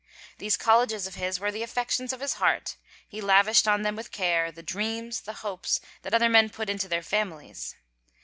These colleges of his were the affections of his heart ; he lavished on them the care, 11 137 THE FAVOR OF KINGS the dreams, the hopes, that other men put into their fami lies.